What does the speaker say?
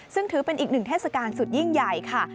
ซึ่งถือเป็นอีกหนึ่งเทศกาลสุดยิ่งใหญ่ค่ะ